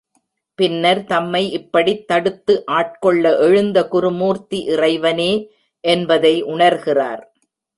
பின்னர் தம்மை இப்படித் தடுத்து ஆட்கொள்ள எழுந்த குருமூர்த்தி இறைவனே என்பதை உணர்கிறார்.